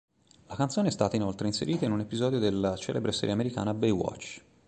La canzone è stata inoltre inserita in un episodio della celebre serie americana Baywatch.